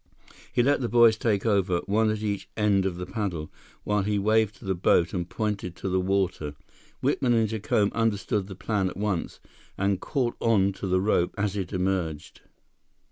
He let the boys take over, one at each end of the paddle, while he waved to the boat and pointed to the water. Whitman and Jacome understood the plan at once and caught on to the rope as it emerged.